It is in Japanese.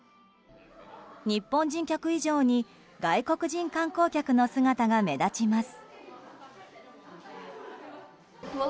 日本人客以上に外国人観光客の姿が目立ちます。